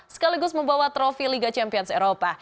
sekaligus membawa trofi liga champions eropa